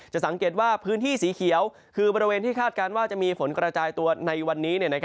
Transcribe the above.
สังเกตว่าพื้นที่สีเขียวคือบริเวณที่คาดการณ์ว่าจะมีฝนกระจายตัวในวันนี้